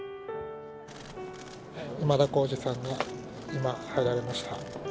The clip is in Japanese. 今田耕司さんが今、入られました。